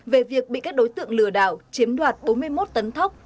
về việc bị các đối tượng lừa đảo chiếm đoạt bốn mươi một tấn thóc